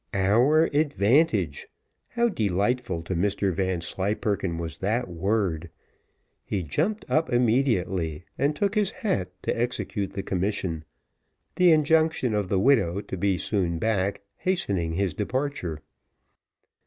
"OUR advantage!" how delightful to Mr Vanslyperken was that word! He jumped up immediately, and took his hat to execute the commission, the injunction of the widow to be soon back hastening his departure.